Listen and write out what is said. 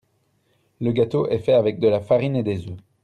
Le gâteau est fait avec de la farine et des œufs.